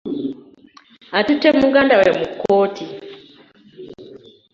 Atutte muganda we mu kkooti.